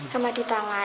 sama di tangan